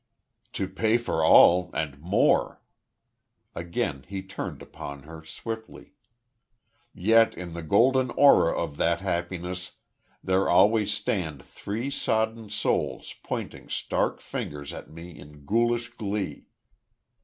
"To pay for all, and more!" Again he turned upon her, swiftly. "Yet in the golden aura of that happiness, there always stand three sodden souls pointing stark fingers at me in ghoulish glee....